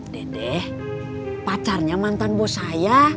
dede pacarnya mantan bos saya